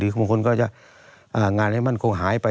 หรือจนคนก็จะงานนี้มันคงหายไป